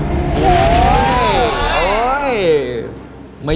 แจ็คอเรียกคุณแจ็คนะครับ